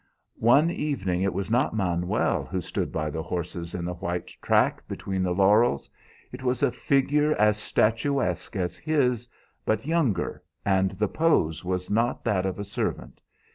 "One evening it was not Manuel who stood by the horses in the white track between the laurels. It was a figure as statuesque as his, but younger, and the pose was not that of a servant.